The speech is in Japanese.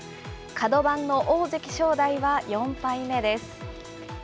角番の大関・正代は４敗目です。